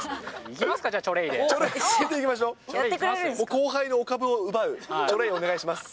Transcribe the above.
後輩のお株を奪うチョレイお願いします。